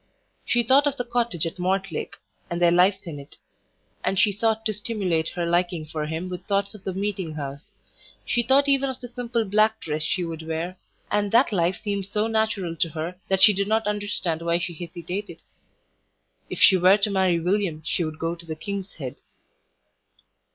She thought of the cottage at Mortlake, and their lives in it; and she sought to stimulate her liking for him with thoughts of the meeting house; she thought even of the simple black dress she would wear, and that life seemed so natural to her that she did not understand why she hesitated.... If she were to marry William she would go to the "King's Head."